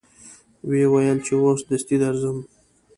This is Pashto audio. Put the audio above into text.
و یې ویل چې اوس دستي درځم.